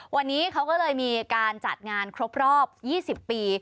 วันนี้เขาก็เลยมีการจัดงานครบรอบ๒๐ปี